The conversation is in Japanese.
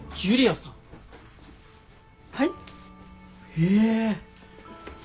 へえ！